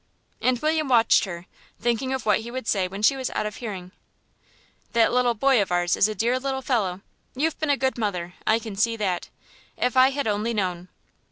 And William watched her, thinking of what he would say when she was out of hearing. "That boy of ours is a dear little fellow; you've been a good mother, I can see that. If I had only known."